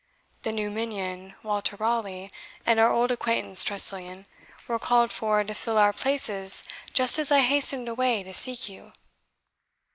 The new minion, Walter Raleigh, and our old acquaintance Tressilian were called for to fill our places just as I hastened away to seek you."